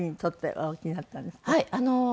はい。